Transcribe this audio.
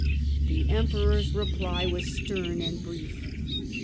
The Emperor's reply was stern and brief.